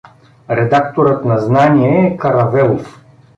Редакторът на "Знание" е Каравелов.